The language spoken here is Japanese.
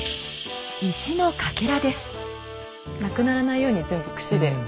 なくならないように全部串で。